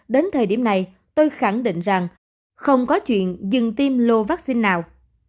đến thời điểm này tôi khẳng định rằng không có chuyện dừng tiêm lô vaccine nào